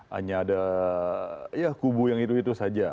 hanya ada ya kubu yang itu itu saja